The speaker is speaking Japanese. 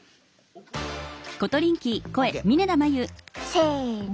せの！